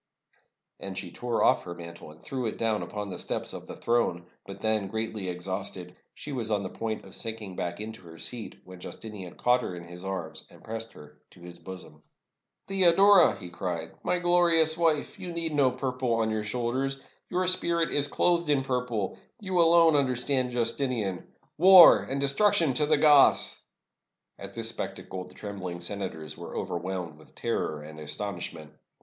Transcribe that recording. And she tore off her mantle and threw it down upon the steps of the throne. But then, greatly exhausted, she was on the point of sinking back into her seat, when Justinian caught her in his arms and pressed her to his bosom. "Theodora," he cried, "my glorious wife! You need no purple on your shoulders — your spirit is clothed in 562 PEACE WITH THE GOTHS OR WAR? purple! You alone understand Justinian. War, and destruction to the Goths!" At this spectacle the trembling senators were over whelmed with terror and astonishment.